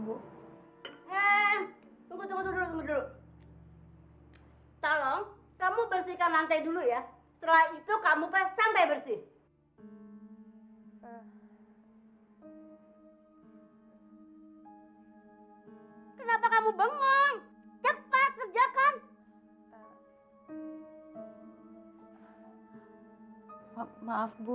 hei lili kalau kamu enggak mau cepat kembalikan uang itu